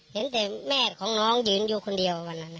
เห็นแต่แม่ของน้องยืนอยู่คนเดียววันนั้น